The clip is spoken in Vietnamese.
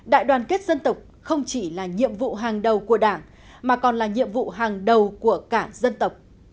đại đoàn kết dân tộc không chỉ là nhiệm vụ hàng đầu của đảng mà còn là nhiệm vụ hàng đầu của cả dân tộc